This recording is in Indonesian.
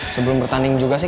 sebelum bertanding juga sih